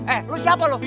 eh lu siapa lu